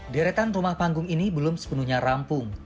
deretan rumah panggung ini belum sepenuhnya rampung